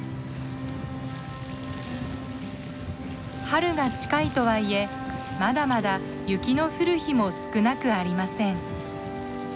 春が近いとはいえまだまだ雪の降る日も少なくありません。